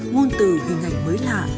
ngôn từ hình ảnh mới lạ